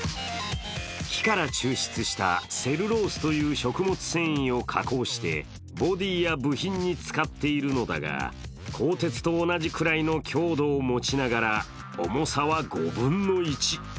木から抽出したセルロースという食物繊維を加工してボディーや部品に使っているのだが鋼鉄と同じくらいの強度を持ちながら、重さは５分の１。